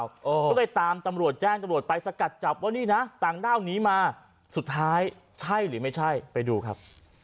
ก็เลยตามตำรวจแจ้งตำรวจไปสกัดจับว่านี่นะต่างด้าวหนีมาสุดท้ายใช่หรือไม่ใช่ไปดูครับ